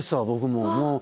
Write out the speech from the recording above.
僕も。